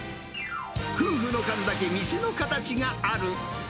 夫婦の数だけ店の形がある。